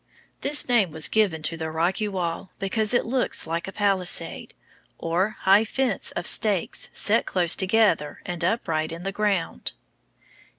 This name was given to the rocky wall because it looks like a palisade, or high fence of stakes set close together and upright in the ground.